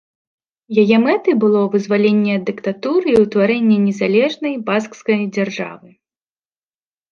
Яе мэтай было вызваленне ад дыктатуры і ўтварэнне незалежнай баскскай дзяржавы.